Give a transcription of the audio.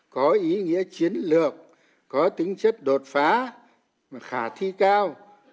có ý nghĩa chiến lược có tính chất đột phá mà khả thi cao